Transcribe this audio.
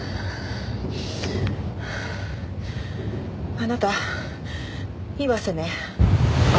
あなた岩瀬ね？